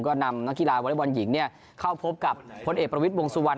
ก็นำนักกีฬาวอเล็กบอลหญิงเข้าพบกับพลเอกประวิทย์วงสุวรรณ